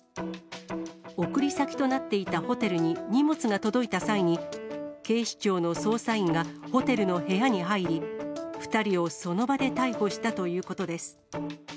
送り先となっていたホテルに荷物が届いた際に、警視庁の捜査員がホテルの部屋に入り、２人をその場で逮捕したということです。